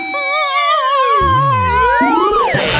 บรรเวอร์